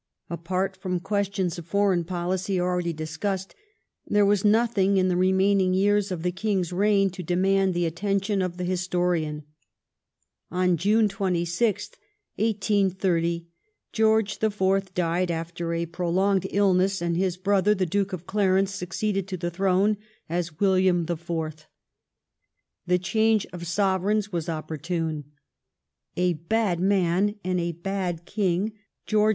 Apart from questions of foreign })olicy — 26th, 1830 already discussed — there was nothing in the remaining yeare of the King's reign to demand the attention of the historian. On June 26th, 1830, George IV. died after a prolonged illness, and his brother, the Duke of Clarence, succeeded to the throne as William IV. The change of Sovereigns was opportune. A bad man and a bad King, George IV.